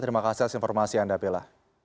terima kasih atas informasi anda bella